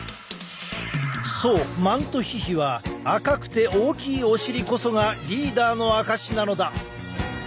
そうマントヒヒは赤くて大きいお尻こそがリーダーの証しなのだ。